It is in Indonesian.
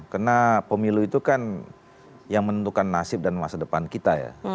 karena pemilu itu kan yang menentukan nasib dan masa depan kita ya